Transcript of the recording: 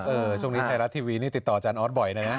เออช่วงนี้ไทยรัฐทีวีติดต่ออาจารย์ออสบ่อยนะ